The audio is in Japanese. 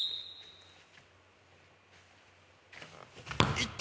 いった。